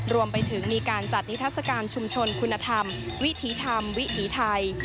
รวมไปถึงมีการจัดนิทัศกาลชุมชนคุณธรรมวิถีธรรมวิถีไทย